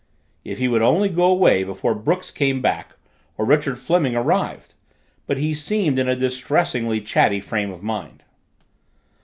If he would only go away before Brooks came back or Richard Fleming arrived! But he seemed in a distressingly chatty frame of mind.